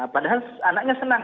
padahal anaknya senang